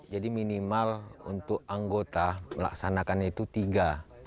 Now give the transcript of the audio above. jadi minimal untuk anggota melaksanakannya itu tiga